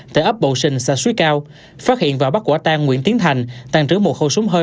tại ấp bầu sình xã xuối cao phát hiện và bắt quả tang nguyễn tiến thành tàn trứng một khẩu súng hơi